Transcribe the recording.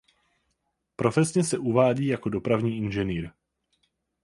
Profesně se uvádí jako dopravní inženýr.